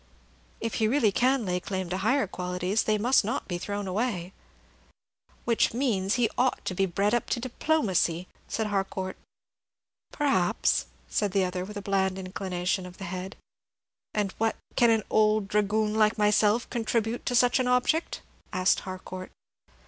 If he really can lay claim to higher qualities, they must not be thrown away." "Which means that he ought to be bred up to diplomacy," said Harcourt. "Perhaps," said the other, with a bland inclination of the head. "And what can an old dragoon like myself contribute to such an object?" asked Harcourt.